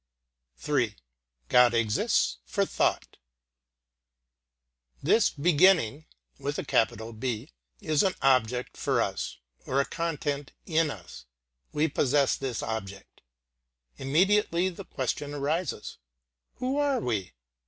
III. God Exists for Thought This Beginning is an object for us or a content in us. We possess this object. Immediately the question [pg 143]arises, Who are we?